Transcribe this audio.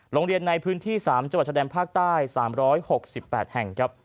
โรงเรียนในพื้นที่๓จดพต๓๖๘แห่งครับ